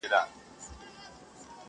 تر پښو لاندي قرار نه ورکاوه مځکي!!